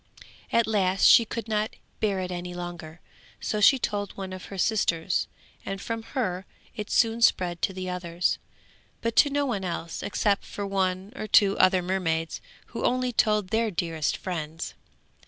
At last she could not bear it any longer, so she told one of her sisters, and from her it soon spread to the others, but to no one else except to one or two other mermaids who only told their dearest friends.